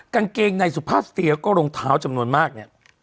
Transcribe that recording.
กางเกงในสุภาพสเตียก็รองเท้าจำนวนมากเนี่ย